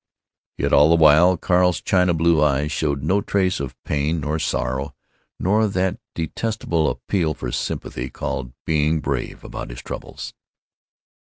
" Yet all the while Carl's china blue eyes showed no trace of pain nor sorrow nor that detestable appeal for sympathy called "being brave about his troubles."